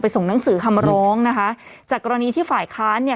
ส่งหนังสือคำร้องนะคะจากกรณีที่ฝ่ายค้านเนี่ย